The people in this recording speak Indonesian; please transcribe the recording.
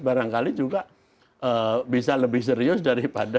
barangkali juga bisa lebih serius daripada